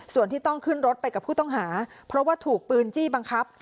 ส่วนที่ต้องขึ้นรถไปกับผู้ต้องหาเพราะว่าถูกปืนจี้บังคับ